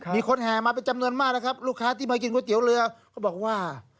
เพราะมันแปลกดีนะคุณนะ